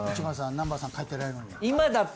南原さん帰ってないのに。